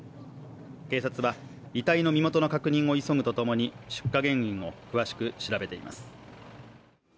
警察は遺体の身元の確認を急ぐとともに出火原因を詳しく調べています。